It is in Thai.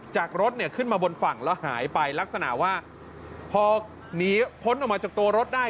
จากรถเนี่ยขึ้นมาบนฝั่งแล้วหายไปลักษณะว่าพอหนีพ้นออกมาจากตัวรถได้